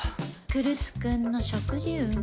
来栖君の食事運。